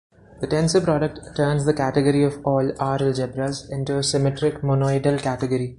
The tensor product turns the category of all "R"-algebras into a symmetric monoidal category.